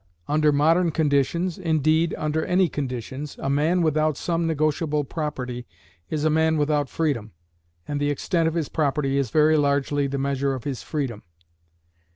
Under modern conditions indeed, under any conditions a man without some negotiable property is a man without freedom, and the extent of his property is very largely the measure of his freedom.